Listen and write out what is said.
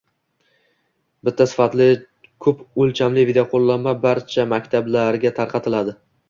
Bitta sifatli ko‘p o‘lchamli videoqo‘llanma barcha maktablarga tarqatiladi